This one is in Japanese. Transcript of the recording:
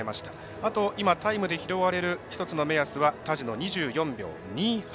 あと、タイムで拾われる一つの目安は田路の２４秒２８。